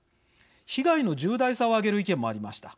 被害の重大さを挙げる意見もありました。